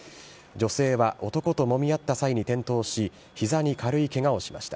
女性は男ともみ合った際に転倒し、ひざに軽いけがをしました。